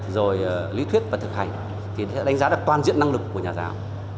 rồi lý thuyết và thực hành thì đánh giá được toàn diện năng lực của nhà giáo